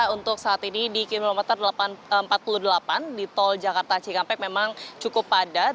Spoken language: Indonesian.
untuk saat ini di kilometer empat puluh delapan di tol jakarta cikampek memang cukup padat